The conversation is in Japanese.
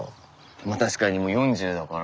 まあ確かにもう４０だから。